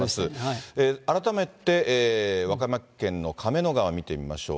改めて、和歌山県の亀の川見てみましょう。